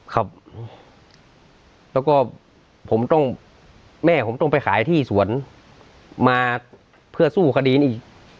ครับแล้วก็ผมต้องแม่ผมต้องไปขายที่สวนมาเพื่อสู้คดีอีก